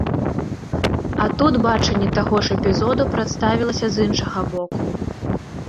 А тут бачанне таго ж эпізоду прадставілася з іншага боку.